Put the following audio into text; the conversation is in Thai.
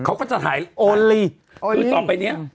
เขาก็จะถ่ายโอนลีกคือต่อไปเนี้ย